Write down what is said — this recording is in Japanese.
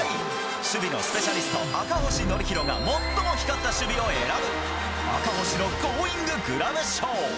守備のスペシャリスト、赤星憲広が、最も光った守備を選ぶ、赤星のゴーインググラブ賞。